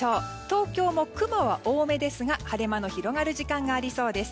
東京も雲は多めですが晴れ間の広がる時間がありそうです。